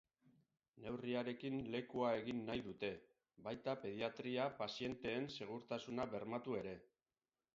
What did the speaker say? Neurriarekin lekua egin nahi dute, baita pediatria pazienteen segurtasuna bermatu ere.